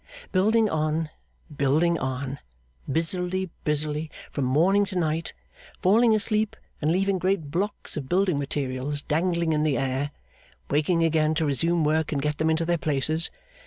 Building on, building on, busily, busily, from morning to night. Falling asleep, and leaving great blocks of building materials dangling in the air; waking again, to resume work and get them into their places.